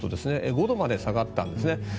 ５度まで下がったんですね。